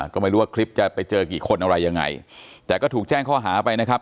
ก็ไม่รู้ว่าคลิปจะไปเจอกี่คนอะไรยังไงแต่ก็ถูกแจ้งข้อหาไปนะครับ